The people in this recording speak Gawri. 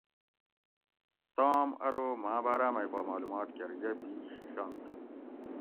تام ارو ماں باۤراۤ مئ پا مالومات کۤر یہ بی شیشنت